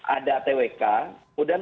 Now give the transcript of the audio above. ada twk kemudian